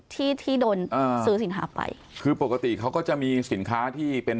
ที่ที่โดนอ่าซื้อสินค้าไปคือปกติเขาก็จะมีสินค้าที่เป็น